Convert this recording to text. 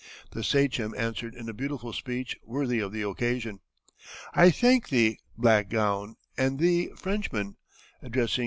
The Sachem answered in a beautiful speech worthy of the occasion: "I thank thee, Blackgown, and thee, Frenchman," addressing M.